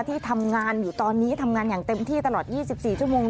ที่ทำงานอยู่ตอนนี้ทำงานอย่างเต็มที่ตลอด๒๔ชั่วโมง